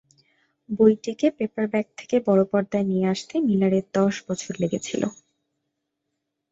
বইটিকে paperback থেকে বড় পর্দায় নিয়ে আসতে মিলারের দশ বছর লেগেছিল।